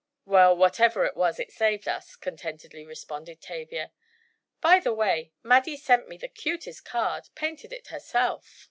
"Well, whatever it was, it saved us," contentedly responded Tavia. "By the way, Maddie sent me the cutest card—painted it herself!"